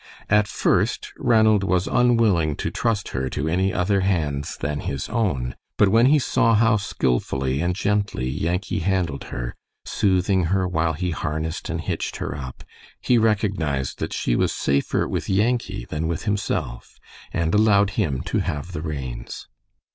At first Ranald was unwilling to trust her to any other hands than his own, but when he saw how skillfully and gently Yankee handled her, soothing her while he harnessed and hitched her up, he recognized that she was safer with Yankee than with himself, and allowed him to have the reins.